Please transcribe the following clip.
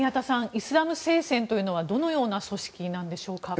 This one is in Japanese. イスラム聖戦というのはどのような組織なんでしょうか。